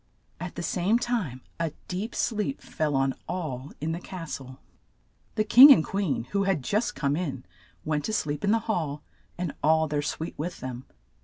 At the same time a deep sleep fell on all in the cas tle. The king and queen, who had just come in, went to sleep in the hall, and all their suite with them.